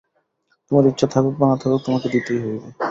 তোমার ইচ্ছা থাকুক বা না থাকুক, তোমাকে দিতেই হইবে।